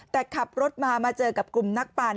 แต่ขับรถมามาเจอกับกลุ่มนักปั่น